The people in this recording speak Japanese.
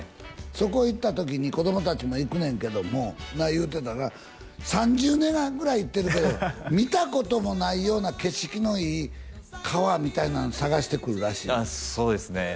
そこ行った時に子ども達も行くねんけども言うてたな３０年間ぐらい行ってるけど見たこともないような景色のいい川みたいなの探してくるらしいあそうですね